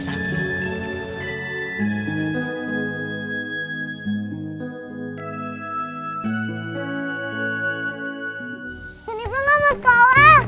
janiper gak mau sekolah